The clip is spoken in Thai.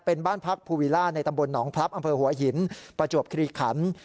เป็นบ้านพักภูวิล่าในตำบลหนองพลับอำเภอหัวหินประจวบคิริขัน